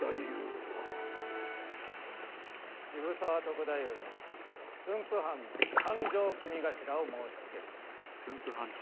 渋沢篤太夫に駿府藩の勘定組頭を申しつける。